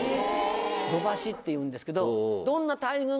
土橋っていうんですけど。